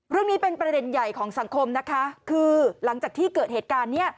เรื่องนี้เป็นประเด็นใหญ่ของสังคมนะคะคือหลังจากที่เกิดเหตุการณ์เนี้ย